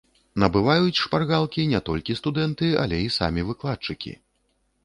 Набываюць шпаргалкі не толькі студэнты, але і самі выкладчыкі.